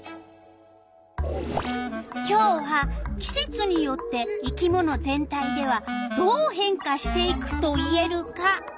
今日は「季節によって生き物全体ではどう変化していくと言えるか」